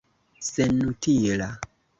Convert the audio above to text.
senutila